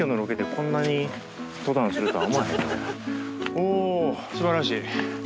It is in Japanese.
おすばらしい！